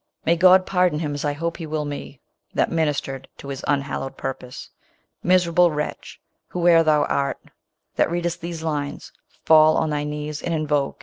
May God pardon him, as I hope he will me, that ministered to his unhallowed purpose ! Miser able Avretch, whoe'er tiiou art, ih;.t readest thes >!•;•».•.•;, full on thy Iviu e?, and invoke